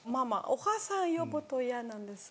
「お母さん」呼ぶと嫌なんです。